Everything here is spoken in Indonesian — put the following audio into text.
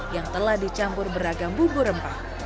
yang telah dicampur beragam bumbu rempah